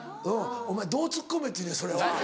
お前どうツッコめっていうねんそれは。